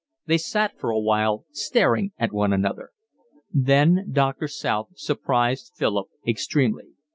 They sat for a while staring at one another. Then Doctor South surprised Philip extremely.